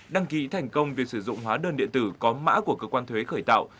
đăng ký thành công việc sử dụng hóa đơn điện tử có mã của cơ quan thuế khởi tạo